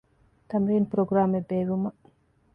ތަމްރީނު ޕްރޮގްރާމެއް ބޭއްވުމަށް